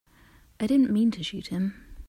I didn't mean to shoot him.